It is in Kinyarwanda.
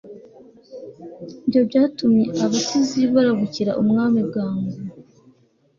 ibyo byatumye abasizi barabukira umwami bwangu